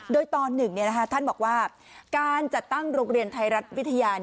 โดยตอน๑ท่านบอกว่าการจัดตั้งโรงเรียนไทยรัฐวิทยา